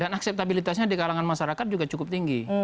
dan akseptabilitasnya di kalangan masyarakat juga cukup tinggi